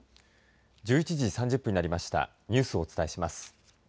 １１時３０分になりましたニュースをお伝えします。